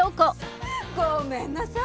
ごめんなさい。